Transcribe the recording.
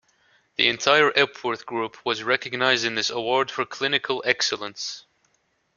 The entire Epworth group was recognised in this award for clinical excellence.